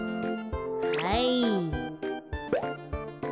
はい。